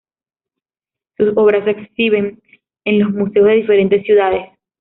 Sus obras se exhiben en los museos de diferentes ciudades.